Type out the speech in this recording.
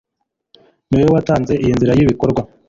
niwe watanze iyi nzira y'ibikorwa.